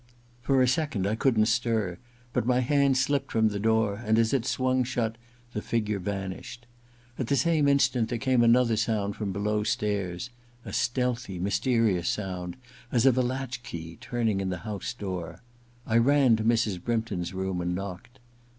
For a second I couldn't stir ; but my hand slipped from the door, and as it swung shut the figure vanished. At the same instant there came another sound from below stairs — a stealthy mysterious sound, as of a latch key turning in the house door. I ran to Mrs. Brympton's room and knocked.